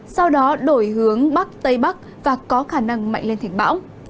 sau đó đổi hướng bắc tây bắc và có khả năng mạnh lên thành bão